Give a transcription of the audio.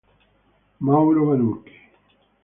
Mauro Vannucchi